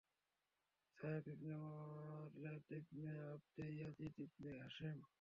সায়েব ibn Ubaid ibn Abd Yazid ibn Hashem.